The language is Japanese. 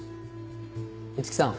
五木さん